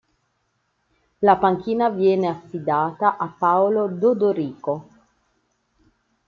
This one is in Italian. La panchina viene affidata a Paolo D'Odorico.